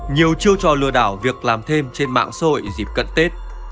nhiều chiêu trò lừa đảo việc làm thêm trên mạng sội dịp cận tết